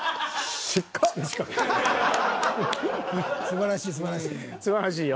すばらしいすばらしい。